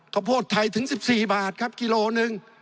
ข้าวโพดไทยถึง๑๔บาทครับคิโลนึง